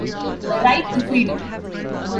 A right to freedom.